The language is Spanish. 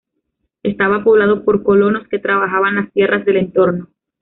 Estaba poblado por colonos que trabajaban las tierras del entorno.